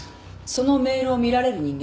そのメールを見られる人間は？